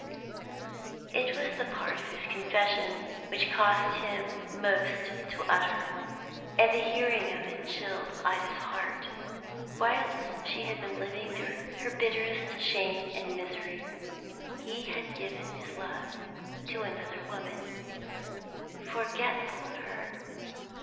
It was the part of his confession which cost him most to utter, and the hearing of it chilled Ida's heart. Whilst she had been living through her bitterest shame and misery, he had given his love to another woman, forgetful of her.